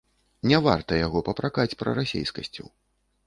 Не варта яго папракаць прарасейскасцю.